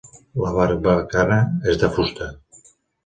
La barbacana és de fusta.